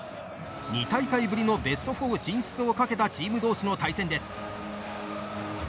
２大会ぶりのベスト４進出を懸けたチーム同士の対戦です。